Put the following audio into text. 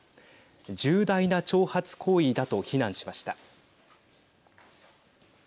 重大な挑発行為だと非難しました。